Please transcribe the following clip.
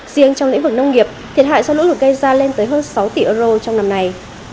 riêng trong lĩnh vực nông nghiệp thiệt hại do lũ lụt gây ra lên tới hơn sáu tỷ euro trong năm nay